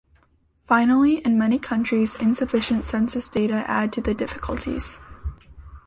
Finally, in many countries, insufficient census data add to the difficulties.